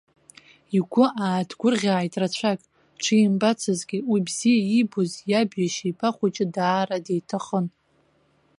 Игәы ааҭгәырӷьааит рацәак дшимбацызгьы, уи бзиа иибоз иаб иашьеиԥа хәыҷы даара диҭахын.